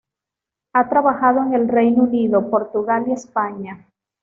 Ha trabajado en el Reino Unido, Portugal y España.